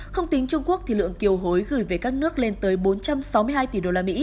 không tính trung quốc lượng kiều hối gửi về các nước lên tới bốn trăm sáu mươi hai tỷ usd